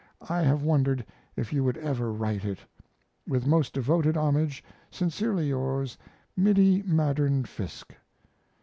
I have wondered if you would ever write it. With most devoted homage, Sincerely yours, MINNIE MADDERN FISKE.